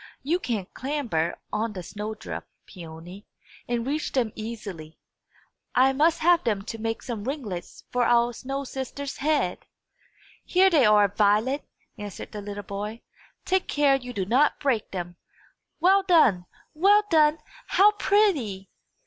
You can clamber on the snow drift, Peony, and reach them easily. I must have them to make some ringlets for our snow sister's head!" "Here they are, Violet!" answered the little boy. "Take care you do not break them. Well done! Well done! How pretty!"